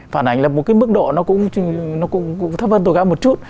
phản ảnh là một cái mức độ nó cũng thấp hơn tố cáo một chút